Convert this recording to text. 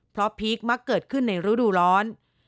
เพราะพีคมักเกิดขึ้นในฤดูร้อน